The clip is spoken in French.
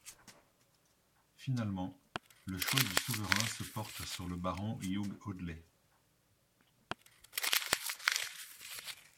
Finalement, le choix du souverain se porte sur le baron Hugh Audley.